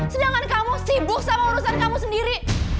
sedangkan kamu sibuk sama urusan kamu sendiri